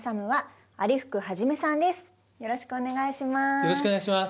よろしくお願いします。